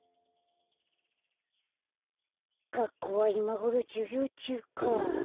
がっこうはいまごろじゅぎょうちゅうか。